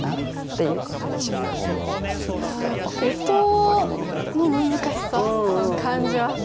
いややっぱ音の難しさ感じます